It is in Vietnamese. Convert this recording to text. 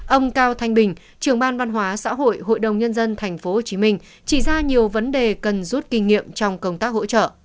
ông cao thanh bình trưởng ban văn hóa xã hội hội đồng nhân dân tp hcm chỉ ra nhiều vấn đề cần rút kinh nghiệm trong công tác hỗ trợ